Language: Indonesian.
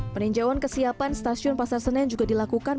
peninjauan kesiapan stasiun pasar senen juga dilakukan